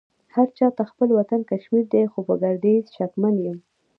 هرچا ته خپل وطن کشمير دې خو په ګرديز شکمن يم